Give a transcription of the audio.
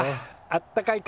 あったかい